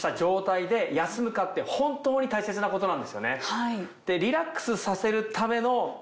本当に大切なことなんですよね。